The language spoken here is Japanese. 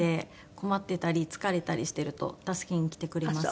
困ってたり疲れたりしてると助けに来てくれます。